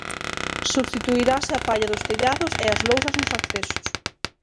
Substituirase a palla dos tellados e as lousas nos accesos.